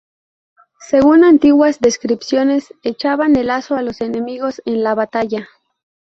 Según antiguas descripciones echaban el lazo a los enemigos en la batalla.